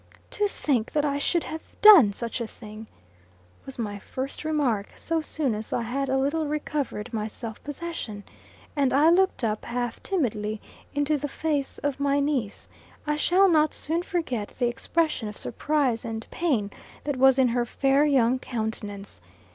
"To think that I should have done such a thing!" was my first remark, so soon as I had a little recovered my self possession; and I looked up, half timidly, into the face of my niece. I shall not soon forget the expression of surprise and pain that was in her fair young countenance.